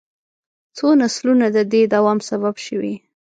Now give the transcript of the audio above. څو نسلونه د دې دوام سبب شوي.